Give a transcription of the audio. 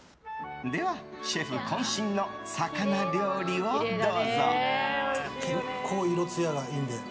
シェフ渾身の魚料理をどうぞ。